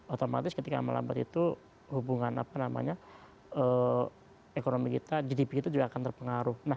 otomatis ketika melambat itu hubungan ekonomi kita gdp kita juga akan terpengaruh